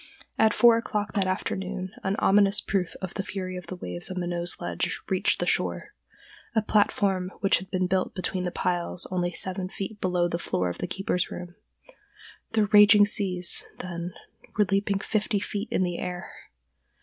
At four o'clock that afternoon an ominous proof of the fury of the waves on Minot's Ledge reached the shore—a platform which had been built between the piles only seven feet below the floor of the keeper's room. The raging seas, then, were leaping fifty feet in the air.